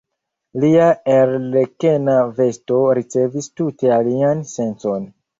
Lia arlekena vesto ricevis tute alian sencon.